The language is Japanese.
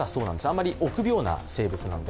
あんまり、臆病な生物なので。